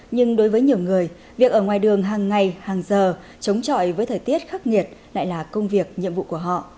nhưng đối với nhiều người việc ở ngoài đường hàng ngày hàng giờ chống chọi với thời tiết khắc nghiệt lại là công việc nhiệm vụ của họ